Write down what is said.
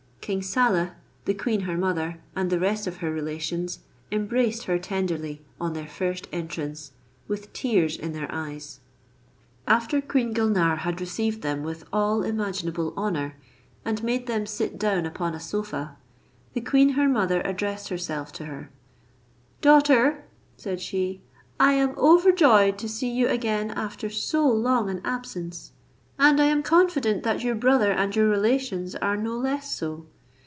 King Saleh, the queen her mother, and the rest of her relations, embraced her tenderly on their first entrance, with tears in their eyes. After Queen Gulnare had received them with all imaginable honour, and made them sit down upon a sofa, the queen her mother addressed herself to her: "Daughter," said she, "I am overjoyed to see you again after so long an absence; and I am confident that your brother and your relations are no less so.